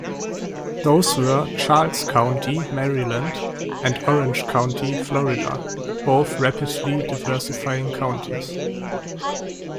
Those were Charles County, Maryland; and Orange County Florida, both rapidly diversifying counties.